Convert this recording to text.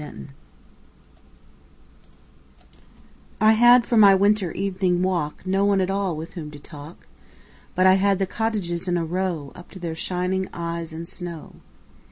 Good Hours I HAD for my winter evening walk No one at all with whom to talk, But I had the cottages in a row Up to their shining eyes in snow.